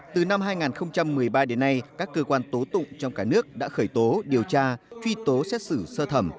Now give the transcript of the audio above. từ năm hai nghìn một mươi ba đến nay các cơ quan tố tụng trong cả nước đã khởi tố điều tra truy tố xét xử sơ thẩm